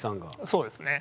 そうですね。